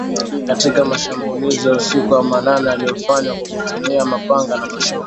katika mashambulizi ya usiku wa manane yaliyofanywa kwa kutumia mapanga na mashoka